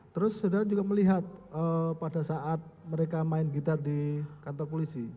terus saudara juga melihat pada saat mereka main gitar di kantor polisi